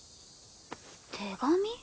手紙？